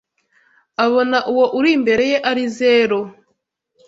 abona uwo uri imbere ye ari zero